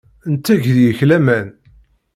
Netteg deg-k laman.